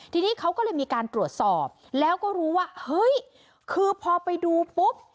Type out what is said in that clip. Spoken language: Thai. ทีนี้เขาก็เลยมีการตรวจสอบแล้วก็รู้ว่าเฮ้ยคือพอไปดูปุ๊บ